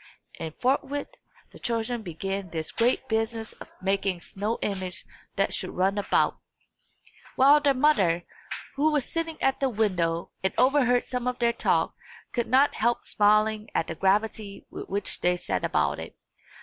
And forthwith the children began this great business of making a snow image that should run about; while their mother, who was sitting at the window and overheard some of their talk, could not help smiling at the gravity with which they set about it.